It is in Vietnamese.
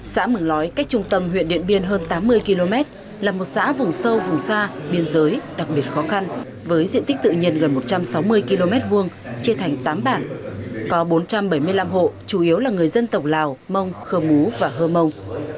xã mường lói cách trung tâm huyện điện biên hơn tám mươi km là một xã vùng sâu vùng xa biên giới đặc biệt khó khăn với diện tích tự nhiên gần một trăm sáu mươi km hai chia thành tám bản có bốn trăm bảy mươi năm hộ chủ yếu là người dân tổng lào mông khơ mú và hơ mông